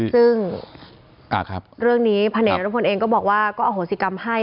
ซึ่งเรื่องนี้พันเอกนรพลเองก็บอกว่าก็อโหสิกรรมให้